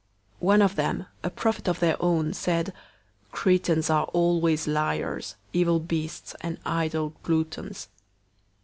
001:012 One of them, a prophet of their own, said, "Cretans are always liars, evil beasts, and idle gluttons."